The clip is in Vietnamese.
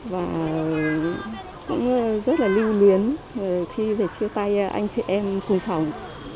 và cũng rất là lưu miến khi về chiêu tay anh chị em cùng phòng